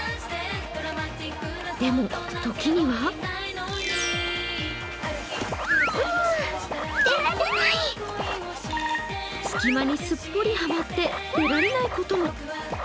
でも、時には隙間にすっぽりハマって出られないことも。